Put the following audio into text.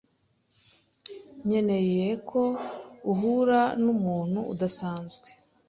nkeneye ko uhura numuntu udasanzwe.